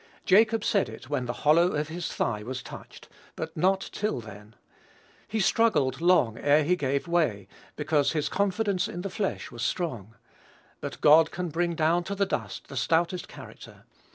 Jacob said it when the hollow of his thigh was touched; but not till then. He struggled long ere he gave way, because his confidence in the flesh was strong. But God can bring down to the dust the stoutest character.